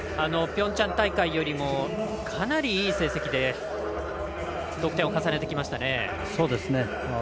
ピョンチャン大会よりもかなりいい成績で得点を重ねてきましたね。